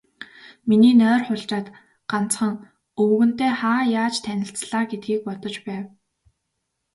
Миний нойр хулжаад, ганцхан, өвгөнтэй хаа яаж танилцлаа гэдгийг бодож байв.